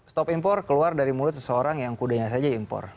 stop impor keluar dari mulut seseorang yang kudanya saja impor